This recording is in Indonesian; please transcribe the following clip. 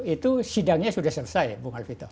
itu sidangnya sudah selesai bung alvito